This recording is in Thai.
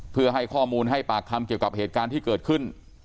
เพื่อให้ข้อมูลให้ปากคำเกี่ยวกับเหตุการณ์ที่เกิดขึ้น